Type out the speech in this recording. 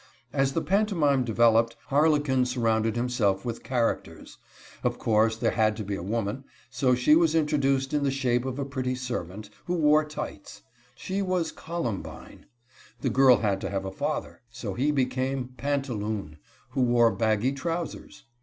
As the pantomime developed, Harlequin surrounded himself with characters. Of course there had to be a woman, so she was introduced in the shape of a pretty servant, who wore tights. She was Colombine. The girl had to have a father, so he became Pantaloon, who wore baggy trousers.